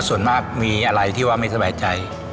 ส่วนมากมีอะไรที่ว่าไม่สบายใจ